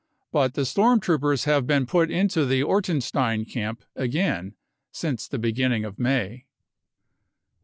But the storm troopers have been put into the Ortenstein camp again since the beginning of May.